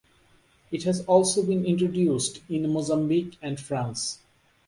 It has also been introduced in Mozambique and France.